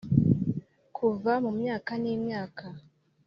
kuva mu myaka n'imyaka